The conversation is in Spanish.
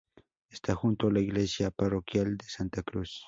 Está junto a la Iglesia Parroquial de Santa Cruz.